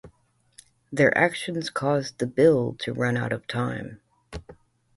Their actions caused the bill to run out of time.